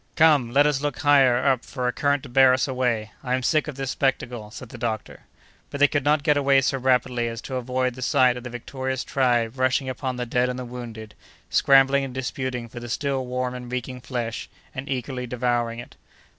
"Come, let us look higher up for a current to bear us away. I am sick of this spectacle," said the doctor. But they could not get away so rapidly as to avoid the sight of the victorious tribe rushing upon the dead and the wounded, scrambling and disputing for the still warm and reeking flesh, and eagerly devouring it.